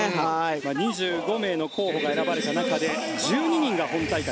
２５名の候補が選ばれた中で、１２人が本大会。